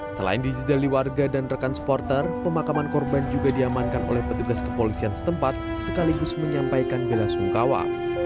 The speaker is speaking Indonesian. selain dijedali warga dan rekan supporter pemakaman korban juga diamankan oleh petugas kepolisian setempat sekaligus menyampaikan bela sungkawa